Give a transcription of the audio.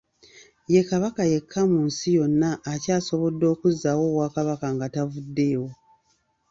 Ye Kabaka yekka mu nsi yonna akyasobodde okuzzaawo obwakabaka nga buvuddewo.